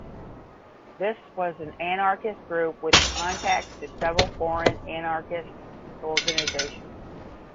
This was an anarchist group with contacts to several foreign anarchist organizations.